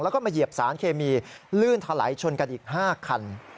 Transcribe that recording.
แล้วก็มาเหยียบสารเคมีลื่นถลายชนกันอีก๕คัน